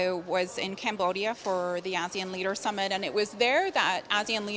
saya sangat senang saya pikir itu di empat puluh dua summit pemimpin asean di bulan mei